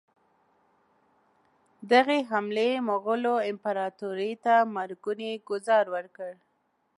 دغې حملې مغولو امپراطوري ته مرګونی ګوزار ورکړ.